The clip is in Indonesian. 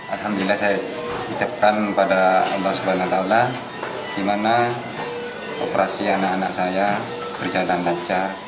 alhamdulillah saya ucapkan kepada allah swt gimana operasi anak anak saya berjalan lancar